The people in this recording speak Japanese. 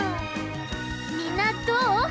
みんなどう？